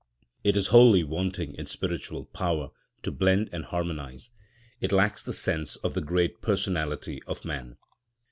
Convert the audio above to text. It is wholly wanting in spiritual power to blend and harmonise; it lacks the sense of the great personality of man.